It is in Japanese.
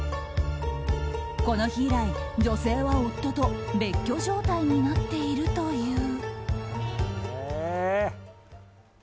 この日以来、女性は夫と別居状態になっているという。